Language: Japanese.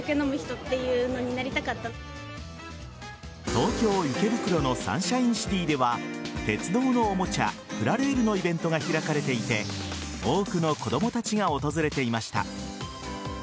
東京・池袋のサンシャインシティでは鉄道のおもちゃプラレールのイベントが開かれていて多くの子供たちが訪れていました。